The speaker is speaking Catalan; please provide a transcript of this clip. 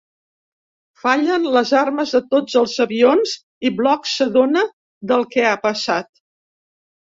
Fallen les armes de tots els avions i Block s'adona del que ha passat.